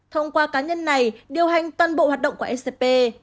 thông qua cá nhân này điều hành toàn bộ hoạt động của ecp